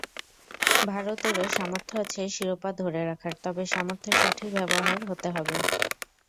ভারতেরও সামর্থ্য আছে শিরোপা ধরে রাখার, তবে সামর্থ্যের সঠিক ব্যবহার হতে হবে।